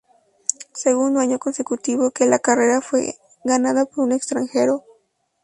Segundo año consecutivo que la carrera fue ganada por un extranjero.